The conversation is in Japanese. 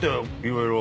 色々。